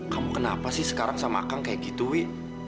kamu kenapa sih sekarang sama kang kayak gitu wi